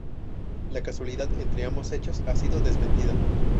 La causalidad entre ambos hechos ha sido desmentida.